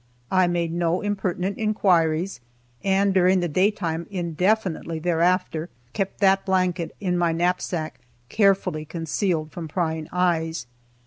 I made no impertinent inquiries, and, during the day time, indefinitely thereafter, kept that blanket in my knapsack, carefully concealed from prying eyes.